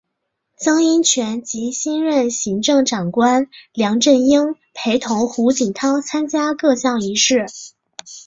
曾荫权及新任行政长官梁振英陪同胡锦涛参加各项仪式。